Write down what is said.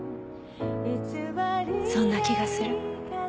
そんな気がする。